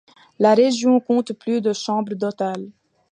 La région compte plus de chambres d’hôtels.